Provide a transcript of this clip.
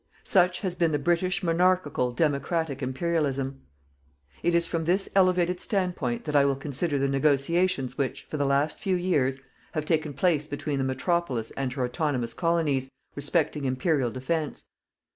Such has been the British Monarchical democratic Imperialism. It is from this elevated standpoint that I will consider the negotiations which, for the last few years, have taken place between the Metropolis and her autonomous Colonies, respecting Imperial defence.